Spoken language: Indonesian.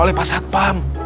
oleh pak satpam